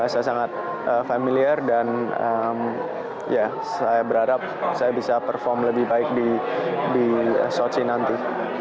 saya sangat familiar dan saya berharap saya bisa perform lebih baik di southea nanti